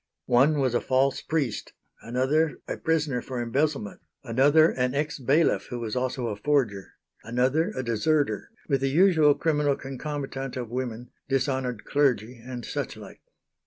One was a false priest, another a prisoner for embezzlement, another an ex bailiff who was also a forger, another a deserter; with the usual criminal concomitant of women, dishonoured clergy and such like.